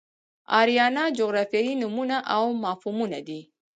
آریانا جغرافیایي نومونه او مفهومونه دي.